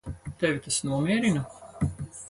Tevi tas nomierina?